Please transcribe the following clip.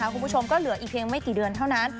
คุณผู้ชมก็เหลืออีกเพียงไม่กี่เดือนเท่านั้น